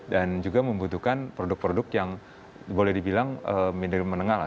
dan juga membutuhkan produk produk yang boleh dibilang minimal menengah lah